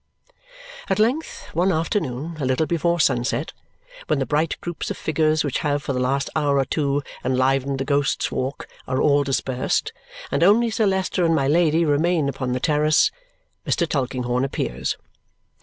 At length, one afternoon a little before sunset, when the bright groups of figures which have for the last hour or two enlivened the Ghost's Walk are all dispersed and only Sir Leicester and my Lady remain upon the terrace, Mr. Tulkinghorn appears.